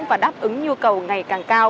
và đáp ứng nhu cầu ngày càng cao